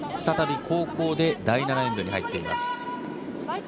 再び後攻で第７エンドに入っています。